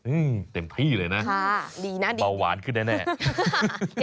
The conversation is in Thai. อืมเต็มพี่เลยนะเปล่าหวานขึ้นแน่ดีนะดี